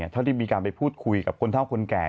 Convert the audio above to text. เท่าที่มีการไปพูดคุยกับคนเท่าคนแก่